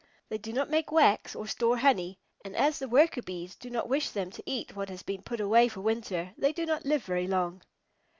They do not make wax or store honey, and as the Worker Bees do not wish them to eat what has been put away for winter, they do not live very long.